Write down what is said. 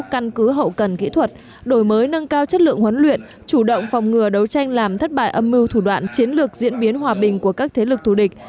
căn cứ hậu cần kỹ thuật đổi mới nâng cao chất lượng huấn luyện chủ động phòng ngừa đấu tranh làm thất bại âm mưu thủ đoạn chiến lược diễn biến hòa bình của các thế lực thù địch